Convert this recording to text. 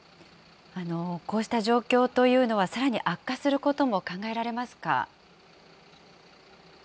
こうした状況というのは、さらに悪化することも考えられますか。